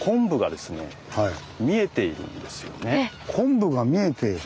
昆布が見えている。